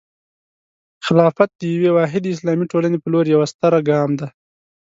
خلافت د یوې واحدې اسلامي ټولنې په لور یوه ستره ګام دی.